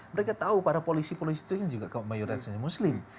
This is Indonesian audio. mereka tahu para polisi polisi itu juga kemayoran muslim